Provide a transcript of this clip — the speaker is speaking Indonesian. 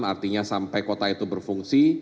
artinya sampai kota itu berfungsi